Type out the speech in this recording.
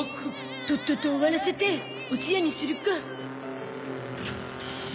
とっとと終わらせておつやにするか。